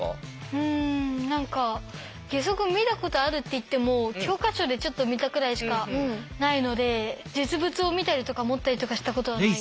うん何か義足見たことあるっていっても教科書でちょっと見たくらいしかないので実物を見たりとか持ったりとかしたことはないです。